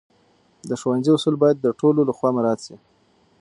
د ښوونځي اصول باید د ټولو لخوا مراعت سي.